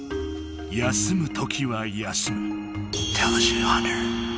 休む時は休む。